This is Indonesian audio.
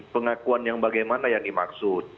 pengakuan yang bagaimana yang dimaksud